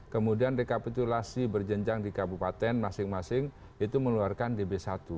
kemudian rekapitulasi berjenjang di kabupaten masing masing itu mengeluarkan db satu